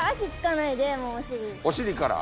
お尻から？